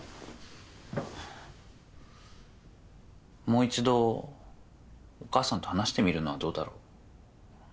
もう一度お母さんと話してみるのはどうだろう。